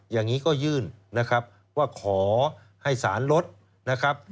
อย่างนี้ก็ยื่นนะครับว่าขอให้สารลดนะครับ